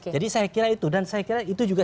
jadi saya kira itu dan saya kira itu juga